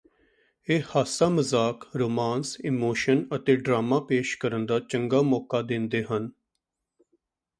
ਇਹ ਹਾਸਾਮਜ਼ਾਕ romance emotion ਅਤੇ ਡਰਾਮਾ ਪੇਸ਼ ਕਰਨ ਦਾ ਚੰਗਾ ਮੌਕਾ ਦਿੰਦੇ ਹਨ